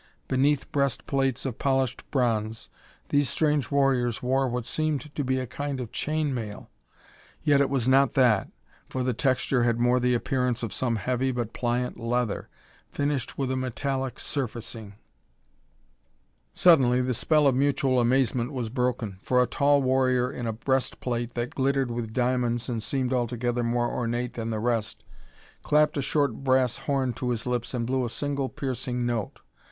Beneath breast plates of polished bronze, these strange warriors wore what seemed to be a kind of chain mail yet it was not that, for the texture had more the appearance of some heavy but pliant leather, finished with a metallic surfacing. Suddenly the spell of mutual amazement was broken, for a tall warrior in a breast plate that glittered with diamonds and seemed altogether more ornate than the rest, clapped a short brass horn to his lips and blew a single piercing note.